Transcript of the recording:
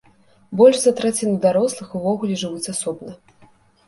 Больш за траціну дарослых увогуле жывуць асобна.